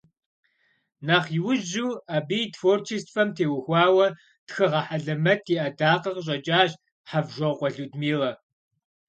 Нэхъ иужьу абы и творчествэм теухуауэ тхыгъэ хьэлэмэт и Ӏэдакъэ къыщӀэкӀащ Хьэвжокъуэ Людмилэ.